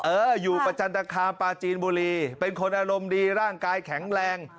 เอออยู่ประจันตคามปลาจีนบุรีเป็นคนอารมณ์ดีร่างกายแข็งแรง